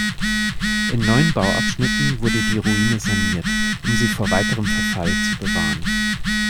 In neun Bauabschnitten wurde die Ruine saniert, um sie vor weiterem Verfall zu bewahren.